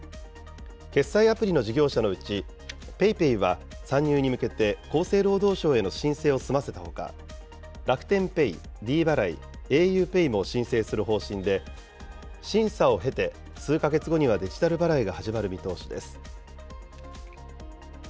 決済アプリの事業者のうち、ＰａｙＰａｙは参入に向けて厚生労働省への申請を済ませたほか、楽天ペイ、ｄ払い、ａｕＰＡＹも申請する方針で、審査を経て、数か月後にはデジタル払いが始まる見通しです。